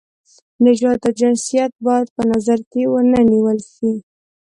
نژاد او جنسیت باید په نظر کې ونه نیول شي.